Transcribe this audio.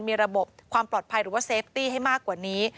มีระบบความปลอดภัยหรือว่าเซฟตี้ให้มากกว่านี้